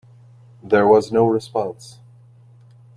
There was no response.